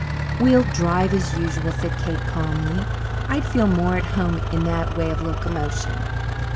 "We'll drive, as usual," said Kate calmly. "I'd feel more at home in that way of locomotion.